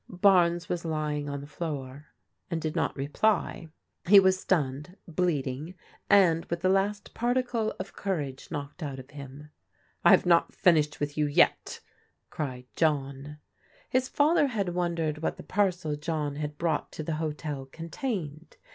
Barnes was lying on the floor, ^xid did not reply. He JIM BAENES TAKES A LICKINa 179 was stunned, bleeding, and with the last particle of cour age knocked out of him. " I have not finished with you yet," cried John. His father had wondered what the parcel John had brought to the hotel contained.